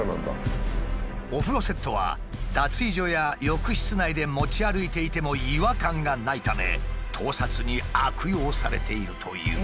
お風呂セットは脱衣所や浴室内で持ち歩いていても違和感がないため盗撮に悪用されているという。